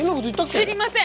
知りません！